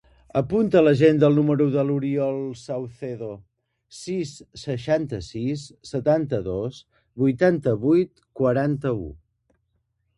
Apunta a l'agenda el número de l'Oriol Saucedo: sis, seixanta-sis, setanta-dos, vuitanta-vuit, quaranta-u.